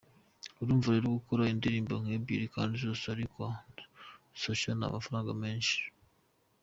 Urumva rero gukora indirimbo nk’ebyiri kandi zose ari kwa Sacha ni amafaranga menshi.